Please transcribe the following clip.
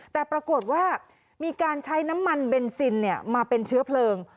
แต่ปรากฏว่ามีการใช้น้ำมันเบนซินมาเป็นเชื้อเพลิง